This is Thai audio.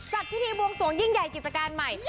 จัดพิธีบวงสวงยิ่งใหญ่กิจการใหม่